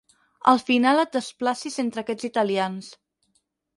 Al final et desplacis entre aquests italians.